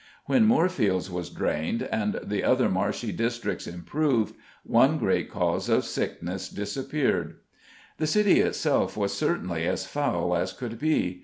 When Moorfields was drained, and the other marshy districts improved, one great cause of sickness disappeared. The city itself was certainly as foul as could be.